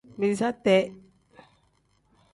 Biiza tee.